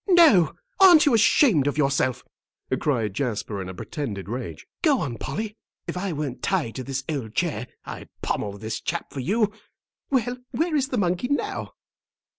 "No; aren't you ashamed of yourself," cried Jasper, in a pretended rage. "Go on, Polly. If I weren't tied to this old chair I'd pommel this chap for you. Well, where is the monkey now?"